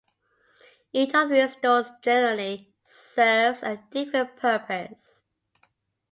Each of these stores generally serves a different purpose.